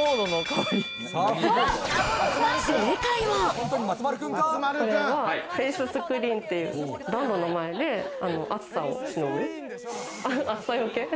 これはフェイススクリーンっていう暖炉の前で暑さをしのぐ、暑さよけ。